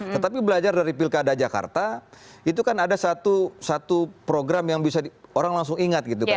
tetapi belajar dari pilkada jakarta itu kan ada satu program yang bisa orang langsung ingat gitu kan